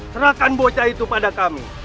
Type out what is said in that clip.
serahkan bocah itu pada kami